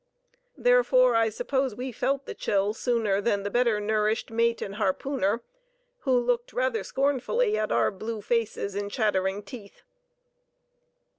Therefore, I suppose we felt the chill sooner than the better nourished mate and harpooner, who looked rather scornfully at our blue faces and chattering teeth.